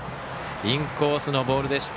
インコースのボールでした